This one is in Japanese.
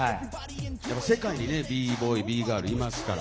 世界にＢＢＯＹ、ＢＧＩＲＬいますから。